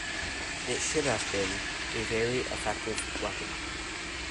It should have been a very effective weapon.